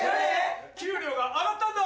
給料が上がったんだ！